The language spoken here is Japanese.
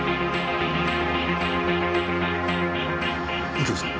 右京さん？